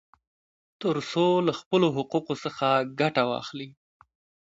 ترڅو له خپلو حقوقو څخه ګټه واخلي.